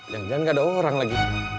jangan jangan gak ada orang lagi